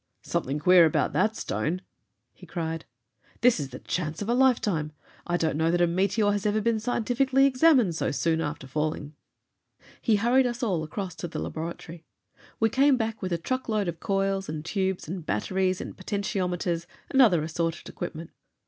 "Something queer about that stone!" he cried. "This is the chance of a lifetime! I don't know that a meteor has ever been scientifically examined so soon after falling." He hurried us all across to the laboratory. We came back with a truck load of coils and tubes and batteries and potentiometers and other assorted equipment.